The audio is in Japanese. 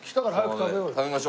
食べましょう。